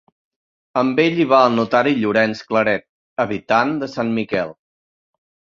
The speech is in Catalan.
Amb ell hi va el notari Llorenç Claret, habitant de Sant Miquel.